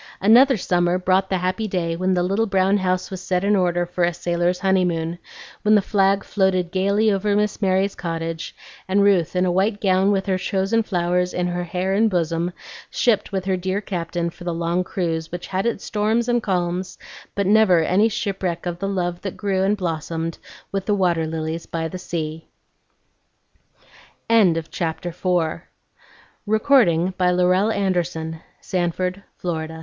Another summer brought the happy day when the little brown house was set in order for a sailor's honeymoon, when the flag floated gayly over Miss Mary's cottage, and Ruth in a white gown with her chosen flowers in her hair and bosom, shipped with her dear Captain for the long cruise which had its storms and calms, but never any shipwreck of the love that grew and blossomed with the water lilies by the sea. POPPIES AND WHEAT AS the great steamer swung round into the stream t